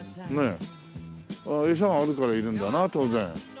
エサがあるからいるんだな当然。